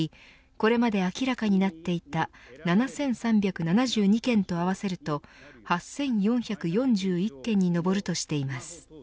これまで明らかになっていた７３７２件と合わせると８４４１件に上るとしています。